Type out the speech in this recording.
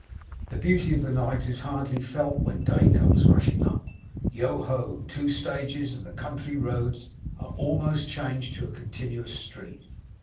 The beauty of the night is hardly felt, when Day comes rushing up. Yoho! Two stages, and the country roads are almost changed to a continuous street.